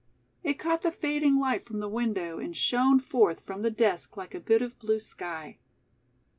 It caught the fading light from the window and shone forth from the desk like a bit of blue sky.